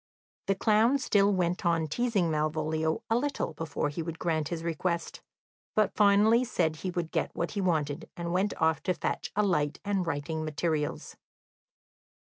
The clown still went on teasing Malvolio a little before he would grant his request, but finally said he would get what he wanted, and went off to fetch a light and writing materials.